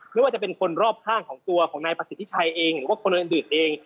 ไม่ว่าจะเป็นคนรอบข้างของตัวของนายประสิทธิชัยเองหรือว่าคนอื่นเอง